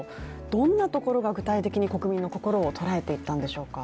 どんなところが具体的に国民の心を捉えていったんでしょうか。